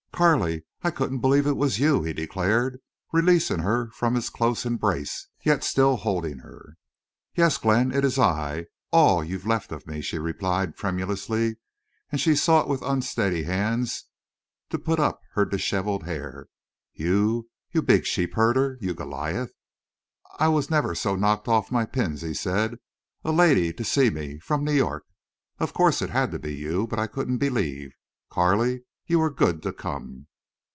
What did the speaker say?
"Carley! I couldn't believe it was you," he declared, releasing her from his close embrace, yet still holding her. "Yes, Glenn—it's I—all you've left of me," she replied, tremulously, and she sought with unsteady hands to put up her dishevelled hair. "You—you big sheep herder! You Goliath!" "I never was so knocked off my pins," he said. "A lady to see me—from New York!... Of course it had to be you. But I couldn't believe. Carley, you were good to come."